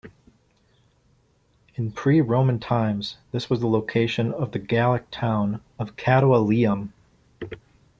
In pre-Roman times, this was the location of the Gallic town of Catualium.